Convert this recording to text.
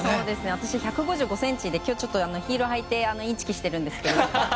私、１５５ｃｍで今日、ヒールを履いてインチキしてるんですけど。